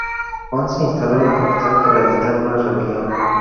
Juan se instaló en la capital para evitar una rebelión.